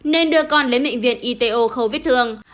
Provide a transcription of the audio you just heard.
nên đưa con lên bệnh viện ito khâu viết thương